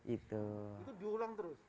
itu diulang terus